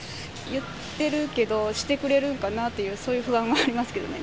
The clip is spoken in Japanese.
言ってるけど、してくれるんかなっていう、そういう不安はありますけどね。